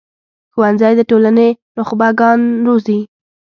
ښوونځی د ټولنې نخبه ګان روزي